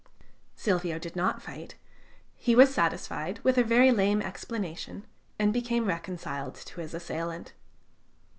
Silvio did not fight. He was satisfied with a very lame explanation, and became reconciled to his assailant.